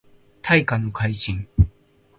大化の改新